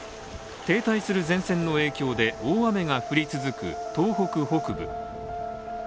停滞する前線の影響で大雨が降り続く東北北部。